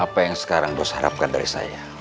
apa yang sekarang afterward dos harapkan dari saya